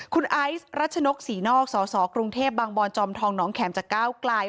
คุณไอซ์รัชนกศรีนอกสสกรุงเทพบางบอนจอมทองหนองแข็มจากก้าวไกล